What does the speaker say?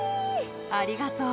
ありがとう。